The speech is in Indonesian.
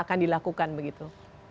akan dilakukan begitu